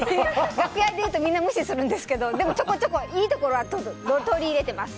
楽屋で言うとみんな無視するんですけどでもちょこちょこ、いいところは取り入れてます。